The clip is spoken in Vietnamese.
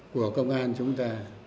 của công an chúng ta